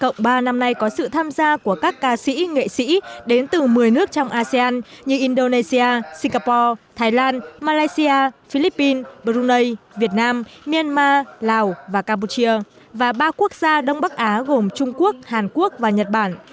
cộng ba năm nay có sự tham gia của các ca sĩ nghệ sĩ đến từ một mươi nước trong asean như indonesia singapore thái lan malaysia philippines brunei việt nam myanmar lào và campuchia và ba quốc gia đông bắc á gồm trung quốc hàn quốc và nhật bản